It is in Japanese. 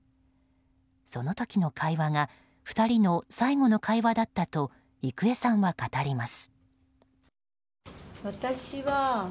その時の会話が２人の最後の会話だったと郁恵さんは語ります。